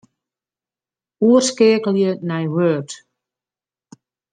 Oerskeakelje nei Word.